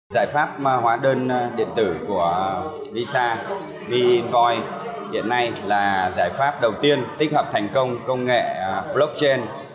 giải pháp hóa đơn điện tử của visa bioi hiện nay là giải pháp đầu tiên tích hợp thành công công nghệ blockchain